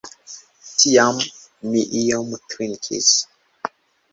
Tiam mi iom drinkis.